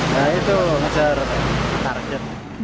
nah itu ngejar target